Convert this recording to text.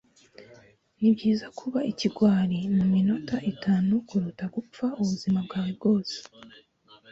Nibyiza kuba ikigwari muminota itanu kuruta gupfa ubuzima bwawe bwose.